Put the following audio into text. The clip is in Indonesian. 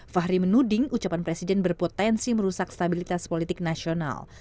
fahri menuding ucapan presiden berpotensi merusak stabilitas politik nasional